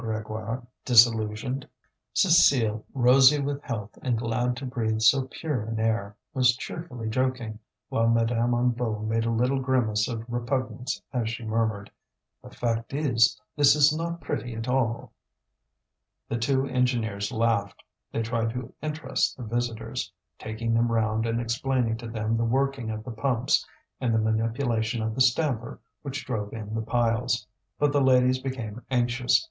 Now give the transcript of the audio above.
Grégoire, disillusioned. Cécile, rosy with health and glad to breathe so pure an air, was cheerfully joking, while Madame Hennebeau made a little grimace of repugnance as she murmured: "The fact is, this is not pretty at all." The two engineers laughed. They tried to interest the visitors, taking them round and explaining to them the working of the pumps and the manipulation of the stamper which drove in the piles. But the ladies became anxious.